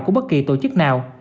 của bất kỳ tổ chức nào